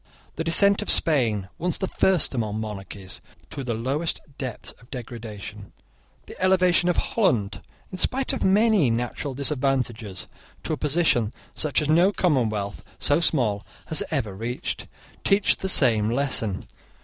The descent of Spain, once the first among monarchies, to the lowest depths of degradation, the elevation of Holland, in spite of many natural disadvantages, to a position such as no commonwealth so small has ever reached, teach the same lesson.